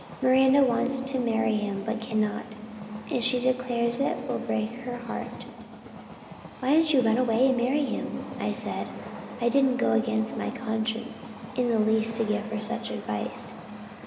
Miranda wants to marry him but cannot, and she declares it will break her heart. "'Why don't you run away and marry him?' I said. It didn't go against my conscience in the least to give her such advice.